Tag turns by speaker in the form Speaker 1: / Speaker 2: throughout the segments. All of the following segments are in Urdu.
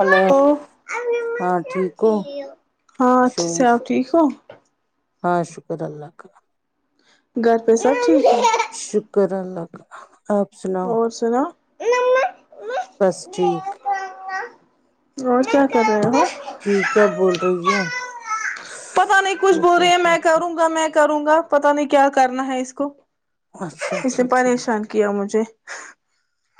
Speaker 1: ہلو ہاں ٹھیک ہو
Speaker 2: ہاں اچھا
Speaker 1: شور
Speaker 2: سپ ٹھیک ہو
Speaker 1: ہاں شکر اللہ کا
Speaker 2: گھر پہ سب ٹھیک
Speaker 1: شکر اللہ آپ
Speaker 2: اور سنا
Speaker 1: پستق
Speaker 2: اور کیا کر رہے ہو
Speaker 1: ج کیا بول رہی ہے؟
Speaker 2: پتا نہیں کچھ
Speaker 1: او
Speaker 2: بول رہے
Speaker 1: ہو
Speaker 2: ہیں
Speaker 1: ہو
Speaker 2: میں کروں گا میں کروں گا پتا نہیں کیا کرنا ہے اس کو
Speaker 1: اچھا
Speaker 2: اس
Speaker 1: اچھا
Speaker 2: نے
Speaker 1: ٹھیک
Speaker 2: پریشان کیا مجھے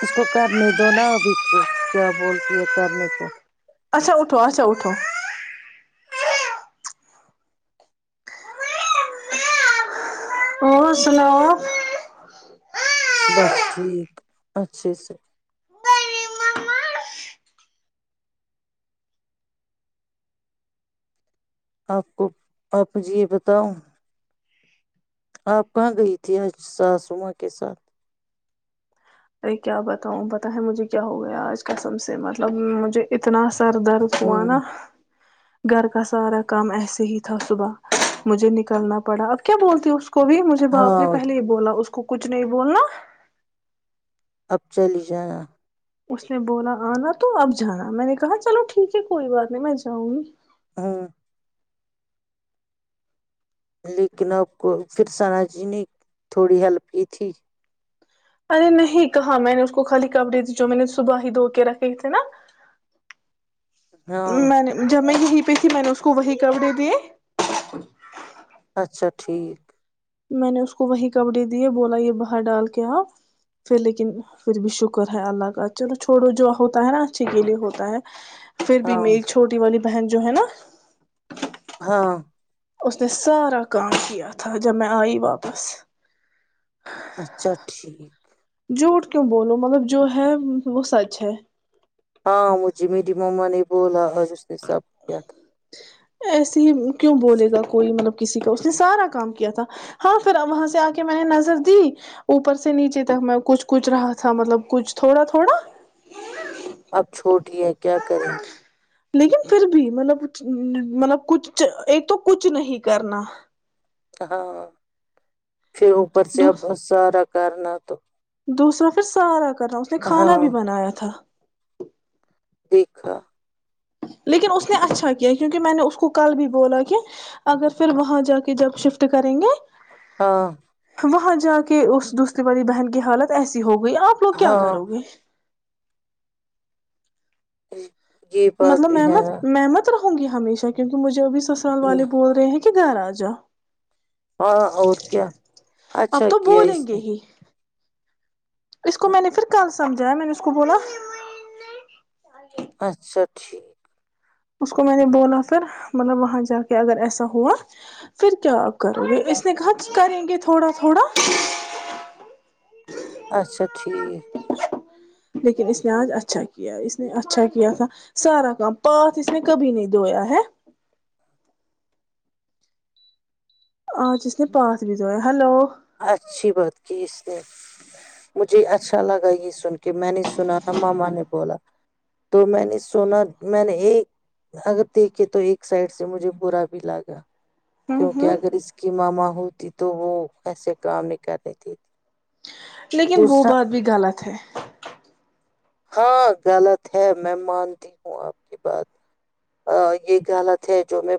Speaker 1: اس کو کرنے دو نب کیا بولتی ہے کرنے کو
Speaker 2: اچھا اٹھو اچھا اٹھو اور سناؤ
Speaker 1: بس ٹھیک اچھے سر آپ کو آپ م جی یہ بتاؤ آپ کہاں گئی تھی آج ساسما کے ساتھ
Speaker 2: ارے کیا بتاؤں بتا ہے مجھے کیا ہو گیا آج ک سم سے مطلب مجھے اتنا سر درد ہوا
Speaker 1: ہوں
Speaker 2: نا گھر کا سارا کام ایسے ہی تھا صبح مجھے نکلنا پڑا اب کیا بولتی اس کو کو بھی مجھے باپ نے
Speaker 1: ہاں
Speaker 2: پہلے یہ بولا اس کو کچھ نہیں بولنا
Speaker 1: اب چلی ہی جانا
Speaker 2: اس نے بولا آنا تو اب جانا میں نے کہا چلو ٹھیک ہے کوئی بات نہیں میں جاؤں گی
Speaker 1: ہاں لیکن آپ کو پھر سثناا جی نے تھوڑی ہیلپ کی تھی
Speaker 2: ارے نہیں کہا میں نے اس کو خالی کپڑے دی جو میں نے صبح ہی دھو کے رکھے تھے نا
Speaker 1: ہاں
Speaker 2: میں نے جمیں گ ہی پہ تھی میں نے اس کو وہی کپڑے دیے
Speaker 1: اچھا ٹھیک
Speaker 2: میں نے اس کو وہی کپڑے دیے بولا یہ باہر ڈال کے آپ پھر لیکن پھر بھی شکر ہے اللہ کا چلو چھوڑو جو ہوتا ہے نا اچھے کے لیے ہوتا ہے پھر بھی
Speaker 1: ہاں
Speaker 2: میری چھوٹی والی پہن جوو ہے نا
Speaker 1: ہاں
Speaker 2: اس نے سارا کام کیا تھا جب میں آئی واپس
Speaker 1: اچھا ٹھیک
Speaker 2: جھوٹ کیوں بولو مطلب جو ہے وہ سچ ہے
Speaker 1: ہاں مجھے میری مما نے بولا نے سب کیا
Speaker 2: ایسے ہی کیوں بولے گا کوئی مطلب کسی کا اس نے سارا کام کیا تھا ہاں پھر وہاں سے آ کے میں نے نظر دی اوپر سے نیچے تک میں کچھ کچ رہا تھا مطلب کچھ تھوڑا تھوڑا
Speaker 1: اب چھوٹ کیا کرےی
Speaker 2: لیکن پھر بھی مطلب مطلب کچھ ایک تو کچھ نہیں کرنا
Speaker 1: ہاں پھر اوپر سے اب سارا کرن تو
Speaker 2: دوسرا پھر سارک کرنا اس نے کھانا
Speaker 1: ہاں
Speaker 2: بھی بنایا تھا
Speaker 1: دیکھا
Speaker 2: لیکن اس نے اچھا کیا کیونکہ میں نے اس کو کل بھی بولا کہ اگر پھر وہاں جا کے جب شفٹ کریں گے
Speaker 1: ہاں
Speaker 2: وہاں جا کے اس دوستی والی بہن کی حالت ایسی ہوگی آپ لوگ کیا
Speaker 1: ہاں
Speaker 2: کرو گے اچ
Speaker 1: جی
Speaker 2: مطلب محمت محمت ہوں گ ہمیشہ کیونکہ مجےبھی سال والے بول رہے ہیں کہ کہ گ راجا
Speaker 1: ہاں اور کیا اچھا
Speaker 2: اب تو
Speaker 1: کیا
Speaker 2: بولیں
Speaker 1: اس
Speaker 2: گے
Speaker 1: نے
Speaker 2: ہی اس کو
Speaker 1: ہاں،
Speaker 2: میں نے پھر کہاں سے سمجھایا میں نے اس کو بولا
Speaker 1: اچھاچ پکچھی
Speaker 2: اس کو میں نے بولا پھر مطلب وہاں جا کے اگر ایسا ہوا پھر کیا آپ کرو گے اس نے کہا کریں گے تھوڑا تھوڑا
Speaker 1: اچھا ٹھیک
Speaker 2: لیکن اس نے آج اچھا کیا اس نے اچھا کیا تھا سارا کام پاتات اس نے کبھی نہیں دھویا ہے آ جس نے پاس بھی دھویا ہلو ہوں
Speaker 1: اچھی بات کی اس مجھے اچھا لگا یہ سن کے میں نے سنا ن ماما نے بولا تو میں نے سنا میں نے ایک اگر دیکھے تو ایک سائڈ سے مجھے برا بھی لگا کیونکہ
Speaker 2: ہوں
Speaker 1: اگر اس کی ماما ہو ت تو وہو ایسے کا نہیں کرنی تت
Speaker 2: لیکن وہ بات بھی غلط ہے [unintelligible]
Speaker 1: ہاں غلط ہے میں مانتی ہوں آپ کی بات یہ غلط ہے جو میں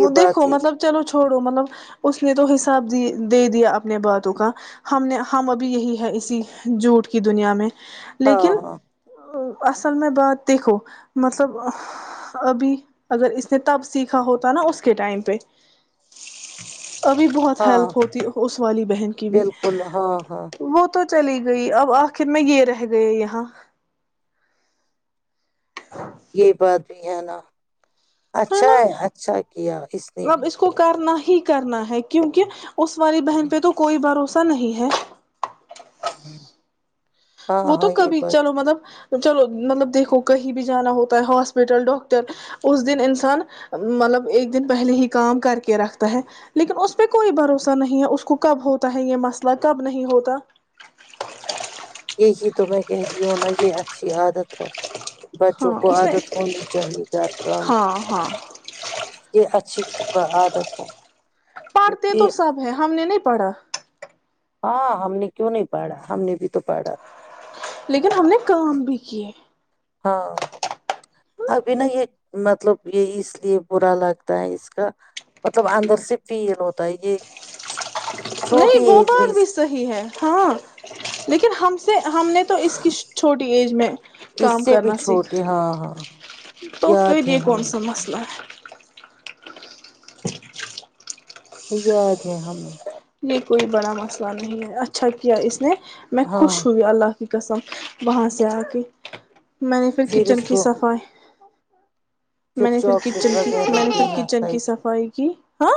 Speaker 2: وہ
Speaker 1: یہ بات
Speaker 2: دیکھو
Speaker 1: ہی
Speaker 2: مطلب چلو چھوڑو مطلب اس نے تو حساب د دے دیا اپنے باتوں کا ہم نے ہم ابھی یہی ہے اسی جھوٹ کی دنیا میں
Speaker 1: ہاں
Speaker 2: لیکن
Speaker 1: ہاں
Speaker 2: اصل میں بات دیکھو مطلب ابھی اگر اس نے تب سیکھا ہو تو نا اس کے ٹائم پہ ابھی بہت
Speaker 1: ہاں
Speaker 2: ہیلپ ہوتی اس والی بہن کی بھی
Speaker 1: بالکل ہاں ہاں
Speaker 2: وہ تو چلی گئی اب آخر میں یہ رہ گیا یہاں
Speaker 1: یہی بات بھی ہے نا اچھا ہے اچھا کیا
Speaker 2: مطلب اس کو کرنا ہی کرنا ہے کیونکہ اس والی بہن پہ تو کوئی بھروسہ نہیں ہے
Speaker 1: ہوں [unintelligible]
Speaker 2: وہ تو کبھی چلو مطلب چلو مطلب دیکھو کہیں بھی جانا ہوتا ہے ہاسپٹل ڈاکٹر اس دن انسان مطلب ایک دن پہلے ہی کام کر کے رکھتا ہے لیکن اس پہ کوئی بھروسہ نہیں ہے اس کو کب ہوتا ہے یہ مسئلہ کب نہیں ہوتا
Speaker 1: یہی تو میں کہتی ہوں نا یہ اچھی عادت ہے
Speaker 2: ہاں
Speaker 1: بچوں کو
Speaker 2: اس نے
Speaker 1: عادت ہونی چاہیے گھر کا
Speaker 2: ہاں ہاں
Speaker 1: یہ اچھی عادت ہے کیونکہ
Speaker 2: پڑا
Speaker 1: ہاں ہم نے کیوں نہیں پڑھا ہم نے بھی تو پاڑھا
Speaker 2: لیکن ہم نے کام بھی کیے
Speaker 1: ہاں ابھی نا یہ مطلب یہ اس لیے برا لگتا ہے اس کا مطلب اندر سے فیل ہوتا ہے یہ چھوٹی
Speaker 2: نہیں وہ
Speaker 1: ایج
Speaker 2: بات
Speaker 1: بیز
Speaker 2: بھی
Speaker 1: کی
Speaker 2: صحیح ہے ہاں لیکن ہم ہم نے تو اس کی چھوٹی ایج میں
Speaker 1: اس
Speaker 2: کام
Speaker 1: سے بھی
Speaker 2: کرنا سیکھا
Speaker 1: چھوٹی ہاں ہاں ہاں
Speaker 2: تو
Speaker 1: یاد
Speaker 2: پھر
Speaker 1: ہے
Speaker 2: یہ کون سا
Speaker 1: ہمیں
Speaker 2: مسئلہ ہے
Speaker 1: یاد ہے ہمیں
Speaker 2: نہیں کوئی بڑا مسئلہ نہیں ہے اچھا کیا اس نے میں
Speaker 1: ہاں
Speaker 2: خوش ہوئی اللہ کی قسم وہاں سے آ کے میں نے پھر کچن
Speaker 1: اس
Speaker 2: کی
Speaker 1: کو
Speaker 2: صفائی ہچ [unintelligible] میں نے پھر
Speaker 1: چاکلیٹ
Speaker 2: کچن کی
Speaker 1: وغیرہ
Speaker 2: میں نے پھر
Speaker 1: دینا تھا
Speaker 2: کچن کی
Speaker 1: اس
Speaker 2: صفائی کی ہاں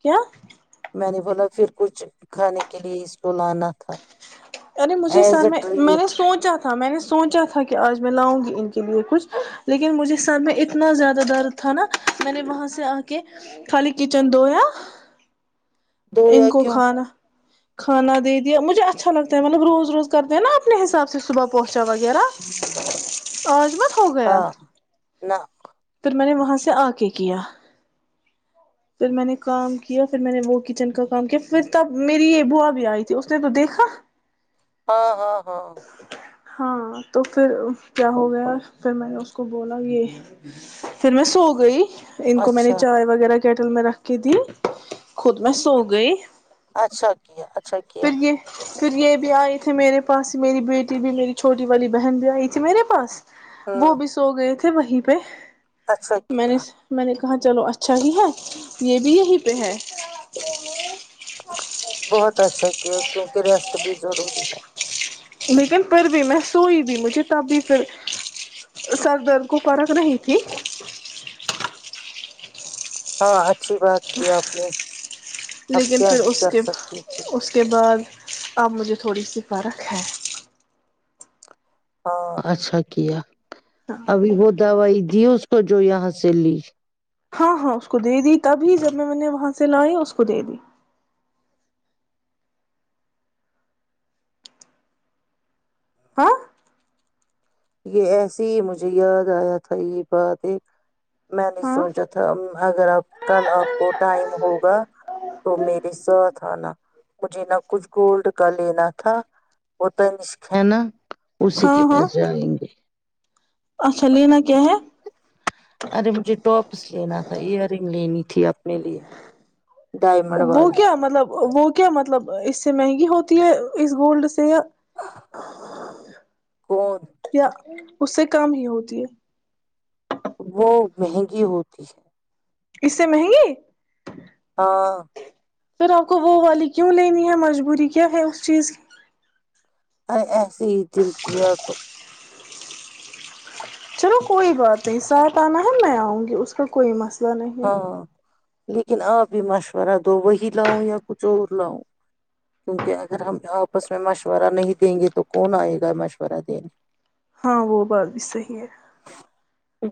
Speaker 2: کیا
Speaker 1: میں نے بولا پھر کچھ کھانے کے لیئے اسٹولانا تھا
Speaker 2: ارے مجھے
Speaker 1: ایز
Speaker 2: سر
Speaker 1: اے
Speaker 2: میں میں نے
Speaker 1: ٹریٹ
Speaker 2: سوچا تھا میں نے سوچا تھا کہ آج میں لاؤں گی ان کے لیے کچھ لیکن مجھے سر میں اتنا زیادہ درد تھا نا میں نے وہاں سے آ کے خالی کچن دھویا
Speaker 1: دو
Speaker 2: ان
Speaker 1: یا
Speaker 2: کو
Speaker 1: کیوں
Speaker 2: کھانا کھا نا دے دیا مجھے اچھا لگتا ہے مطلب روز روز کرتے ہیں نا اپنے حساب سے صبح پہنچ ا وغیرہ آج مت ہو گیا
Speaker 1: ہاں نہ
Speaker 2: تو میں نے وہاں سے آ کے کیا پھر میں نے کام کیا پھر میں نے وہ کچن کا کام کیا پھر تب میری یہ بوا بھی آئی تھی اس نے تو دیکھا
Speaker 1: ہاں ہاں ہاں
Speaker 2: ہاں تو پھر کیا ہو گیا پھر میں نے اس کو بولا یہ پھر میں سو گئی ان کو میں نے
Speaker 1: اچھا
Speaker 2: چائے وغیرہ کیٹل میں رکھ کے دی خود میں سوگ گئی
Speaker 1: اچھا کیا اچھا کیا
Speaker 2: پھر یہ پھر یہ بھی آئے تھے میرے پاس ہی میری بیٹی بھی میری چھوٹی والی بہن بھی آئی تھی میرے پاس وہ
Speaker 1: ہوں
Speaker 2: بھی سو گئے تھے وہی پہ
Speaker 1: اچھا کیا
Speaker 2: مینے کہاں چلو اچھا ہی ہے یہ بھی یہی پہ ہے [inaudible]
Speaker 1: بہت اچھا کیا کیونکہ ریسٹ بھی ضروری ہے
Speaker 2: لیکن پھر بھی میں سوئی بھی مجھے تبھی پھر سر درد کو فرق نہیں تھی
Speaker 1: ہاں اچھ اچھی بات کی آپ نے اپ
Speaker 2: لیکن
Speaker 1: کیا
Speaker 2: پھر
Speaker 1: ہی
Speaker 2: اس
Speaker 1: کر
Speaker 2: کے
Speaker 1: سکتے تھے
Speaker 2: اس کے بعد اب مجھے تھوڑی سی فرق ہے
Speaker 1: ہاں اچھا کیا ابھی وہ دوائی دی اس کو جو یہاں سے لی
Speaker 2: ہاں ہاں اس کو دے دی تب ہی جب میں میں نے وہاں سے لائے اس کو دے دی [inaudible]
Speaker 1: یہ ایسے ہی مجھے یاد آیا تھا یہ بات ایک میں نے
Speaker 2: ہاں
Speaker 1: سوچا تھا اگر آ کل آپ کو ٹائم ہوگا تو میرے ساتھ آنا مجھے نہ کچھ گولڈ کا لینا تھا وہ تنشک ہے نا اسی کے
Speaker 2: ہاں ہاں
Speaker 1: پاس گے
Speaker 2: اچھا لینا کیا ہے
Speaker 1: ارے مجھے ٹاپس لینا تھا ایئر رنگ لینی تھی اپنے لیے ڈائمنڈ
Speaker 2: وہ
Speaker 1: والی
Speaker 2: کیا مطلب وہ کیا مطلب اس سے مہنگی ہوتی تی ہے اس گولڈ سے یہ
Speaker 1: کون
Speaker 2: کیا اس سے کم ہی ہوتی ہے
Speaker 1: وہ مہنگی ہوتی ہے
Speaker 2: اس سے مہنگی
Speaker 1: ہاں
Speaker 2: پھر آپ کو وہ والی کیوں لینی ہے مجبوری کیا ہے اس چیز کی
Speaker 1: ارے ایسے ہی دل کیا تو
Speaker 2: چلو کوئی بات نہیں ساتھ آنا ہے میں آؤں گی اس کا کوئی مسئلہ نہیں ہے
Speaker 1: ہاں لیکن آپ بھی مشورہ دو وہی لاؤ یا کچھ اور لاؤں کیونکہ اگر ہم آپس میں مشورہ نہیں دیں گے تو کون آئے گا مشورہ دینے؟
Speaker 2: ہاں وہ بات بھی صحیح ہے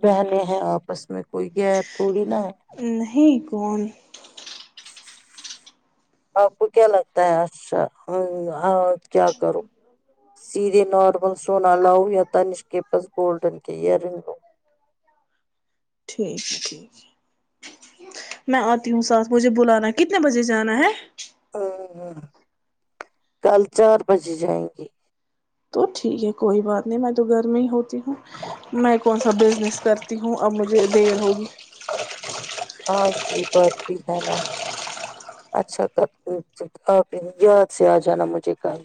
Speaker 1: بہنیں ہیں آپس میں کوئی غیر تھوڑی نا ہے
Speaker 2: نہیں کون
Speaker 1: آپ کو کیا لگتا ہے اچھا کیا کرو سیدھے نارمل سونا لاؤ یا تانش کے پس گولڈن کے ایئررنگ لوں
Speaker 2: ٹھیک ہے میں آتی ہوں ساتھ مجھے بلانا کتنے بجے جانا ہے
Speaker 1: لو کل چار بجے جائیں گے
Speaker 2: تو ٹھیک ہے کوئی بات نہیں میں تو گھر میں ہی ہوتی ہوں میں کون سا بزنس کرتی ہوں اب مجھے دیر ہوگی
Speaker 1: ہاں یہ بات بھی ہے نا اچھا آپ یاد سے آ جانا مجھے کل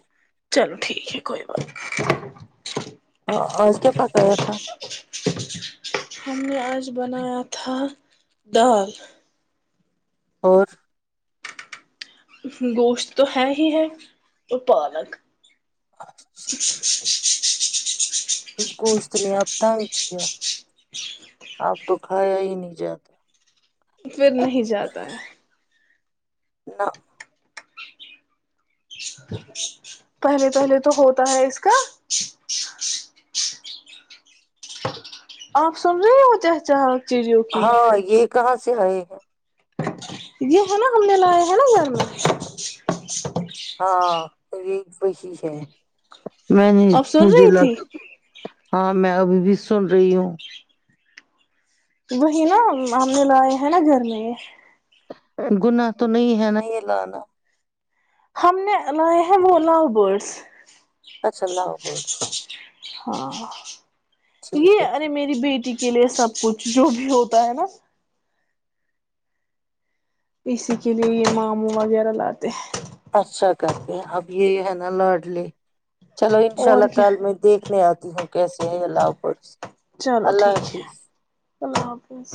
Speaker 2: چلو ٹھیک ہے کوئی بات
Speaker 1: ہاں آج کیا پکایا تھا
Speaker 2: ہم نے آج بنایا تھا دال
Speaker 1: اور
Speaker 2: گوشت تو ہے ہی ہے اور پالک [inaudible]
Speaker 1: اس گوشت نے اب تنگ کیا اب تو کھایا ہی نہیں جاتا
Speaker 2: پھر نہیں جاتا ہے
Speaker 1: نہ
Speaker 2: پہلے پہلے تو ہوتا ہے اس کا آپ سن رہی ہو چچا
Speaker 1: ہاں یہ کہاں سے سے ائے ہیں
Speaker 2: یہ ہے نا ہم نے لاائے ہے نا گھر میں
Speaker 1: ہاں تو یہ وہی ہے میں نہیں
Speaker 2: آپ سن
Speaker 1: مجھے
Speaker 2: رہی
Speaker 1: لگ
Speaker 2: تھی
Speaker 1: ہاں میں ابھی بھی سن رہی ہوں
Speaker 2: وہی نا ہم نے لائے ہیں نا گھر میں یہ
Speaker 1: گناہ تو نہیں ہے نا یہ لانا
Speaker 2: ہم نے لائے ہیں لال گوشت
Speaker 1: اچھا اللہ عب
Speaker 2: ہاں یہ
Speaker 1: ہے
Speaker 2: ارے
Speaker 1: ٹھیک
Speaker 2: میری بیٹی کے لیے سب کچھ جو بھی ہوتا ہے نا اسی کے لیے یہ ماموں وغیرہ لاتے ہیں
Speaker 1: اچھا کرتے اب یہ ہے نا لارڈلی چلو انشاء
Speaker 2: اور
Speaker 1: اللہ
Speaker 2: کیا
Speaker 1: کل میں دیکھنے آتا ہ جوں کیسے ہے اللہ آفرظ
Speaker 2: چلو ٹھیک ہے اللہ حافظ